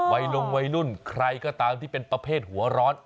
ลงวัยรุ่นใครก็ตามที่เป็นประเภทหัวร้อน